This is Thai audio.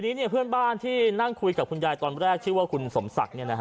ทีนี้เพื่อนบ้านที่นั่งคุยกับคุณยายตอนแรกชื่อว่าคุณสมศักดิ์